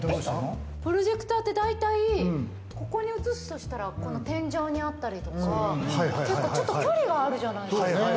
プロジェクターって、大体ここに映すとしたら、この天井にあったりとか、ちょっと距離があるじゃないですか。